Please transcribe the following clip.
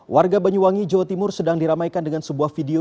warga banyuwangi jawa timur sedang diramaikan dengan sebuah video